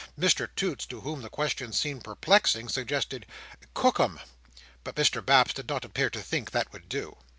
Mr Toots, to whom the question seemed perplexing, suggested "Cook 'em." But Mr Baps did not appear to think that would do.